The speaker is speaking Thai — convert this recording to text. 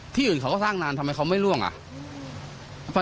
อื่นเขาก็สร้างนานทำไมเขาไม่ล่วงอ่ะ